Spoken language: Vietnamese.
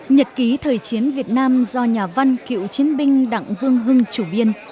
nhật ký thời chiến việt nam do nhà văn cựu chiến binh đặng vương hưng chủ biên